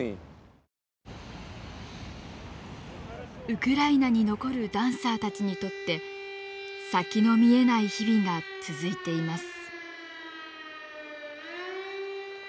ウクライナに残るダンサーたちにとって先の見えない日々が続いています。